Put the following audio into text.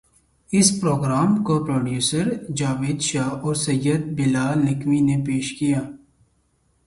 اس program کو producer Javed Shah اور Syed Bilal Naqvi نے پیش کیا